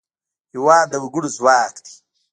هېواد د وګړو ځواک دی.